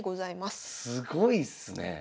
すごいっすねえ。